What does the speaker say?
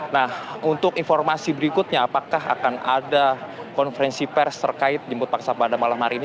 nah untuk informasi berikutnya apakah akan ada konferensi pers terkait jemput paksa pada malam hari ini